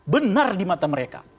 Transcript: benar di mata mereka